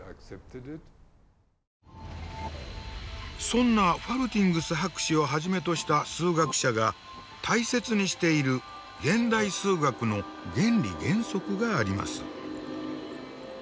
そんなファルティングス博士をはじめとした数学者が大切にしている現代数学の原理原則があります。